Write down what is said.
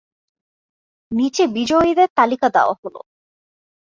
নিচে বিজয়ীদের তালিকা দেওয়া হল।